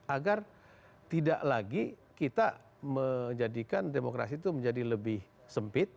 agar tidak lagi kita menjadikan demokrasi itu menjadi lebih sempit